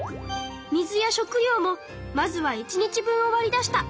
水や食料もまずは１日分をわり出した。